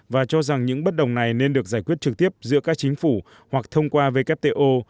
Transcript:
và cho rằng những bất đồng này nên được giải quyết trực tiếp giữa các chính phủ hoặc thông qua wto